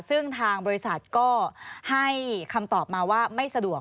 ซึ่งทางบริษัทก็ให้คำตอบมาว่าไม่สะดวก